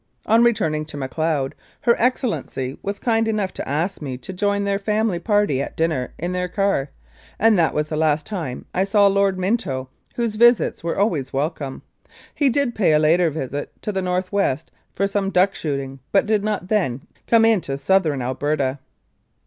On returning to Macleod, Her Excellency was kind enough to ask me to join their family party at dinner in their car, and that was the last time I saw Lord Minto, whose visits were always welcome. He did pay a later visit to the North West for some duck shooting, but did not then come into Southern Alberta.